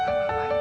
saya memaksa roda